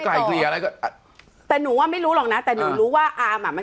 ไกลเกลี่ยอะไรก็แต่หนูว่าไม่รู้หรอกนะแต่หนูรู้ว่าอามอ่ะมัน